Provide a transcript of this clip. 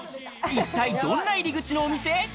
一体どんな入り口のお店？